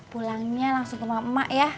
pulangnya langsung ke emak emak ya